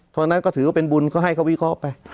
ตอนนั้นก็ถือว่าเป็นบุญก็ให้เขาวิเคราะห์ไป